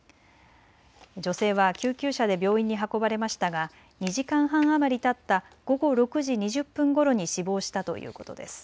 女性は救急車で病院に運ばれましたが２時間半余りたった午後６時２０分ごろに死亡したということです。